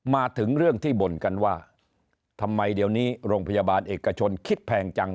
มาถึงเรื่องที่บ่นกันว่าทำไมเดี๋ยวนี้โรงพยาบาลเอกชนคิดแพงจัง